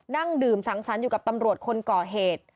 นั่งดื่มสังสรรค์อยู่กับตำรวจคนก่อเหตุ